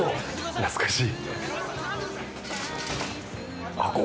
懐かしい。